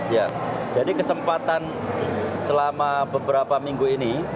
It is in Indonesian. ya jadi kesempatan selama beberapa minggu ini